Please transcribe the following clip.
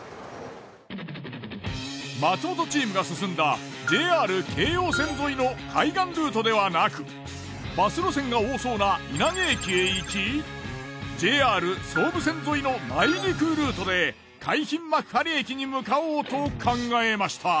松本チームが進んだＪＲ京葉線沿いの海岸ルートではなくバス路線が多そうな稲毛駅へ行きＪＲ総武線沿いの内陸ルートで海浜幕張駅に向かおうと考えました。